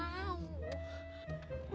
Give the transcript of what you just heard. ini udah berapa